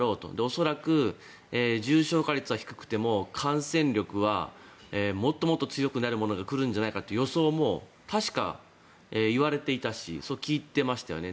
恐らく、重症化率は低くても感染力はもっともっと強くなるものが来るんじゃないかという予想も確か言われていたしそう聞いていましたよね。